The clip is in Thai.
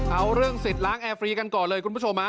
เอาเรื่องสิทธิ์ล้างแอร์ฟรีกันก่อนเลยคุณผู้ชม